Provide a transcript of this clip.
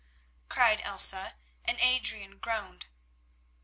cried Elsa, and Adrian groaned.